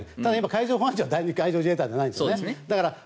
海上保安庁は第２海上自衛隊じゃないんですね。